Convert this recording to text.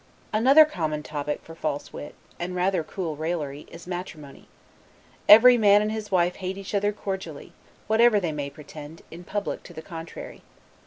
Another common topic for false wit, and cool raillery, is matrimony. Every man and his wife hate each other cordially, whatever they may pretend, in public, to the contrary.